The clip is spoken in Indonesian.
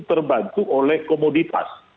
terbantu oleh komoditas